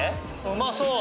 うまそう。